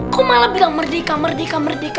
kau malah bilang merdeka merdeka merdeka